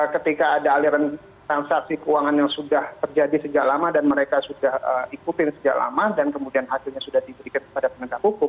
ketika ada aliran transaksi keuangan yang sudah terjadi sejak lama dan mereka sudah ikutin sejak lama dan kemudian hasilnya sudah diberikan kepada penegak hukum